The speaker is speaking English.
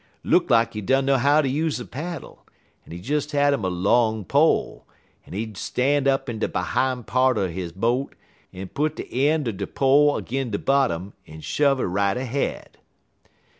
"Look lak he dunner how to use a paddle, en he des had 'im a long pole, en he'd stan' up in de behime part er he boat, en put de een' er de pole 'gin' de bottom, en shove 'er right ahead.